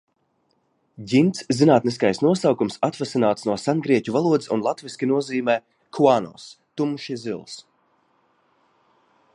"Ģints zinātniskais nosaukums atvasināts no sengrieķu valodas un latviski nozīmē: "kuanos" – tumši zils."